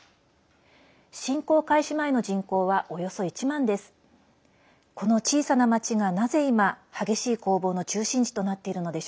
侵攻開始前の人口はおよそ１万です。